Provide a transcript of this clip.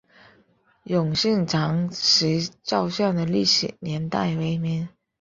永兴堂石造像的历史年代为明。